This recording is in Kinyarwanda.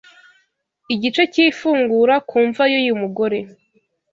Igice cy' ifungura ku mva yuyu mugore